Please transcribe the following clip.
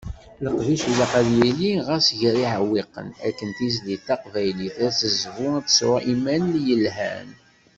Leqdic ilaq ad yili, ɣas gar yiɛewwiqen. Akken tizlit taqbaylit ad tezbu, ad tesɛu imal yelhan.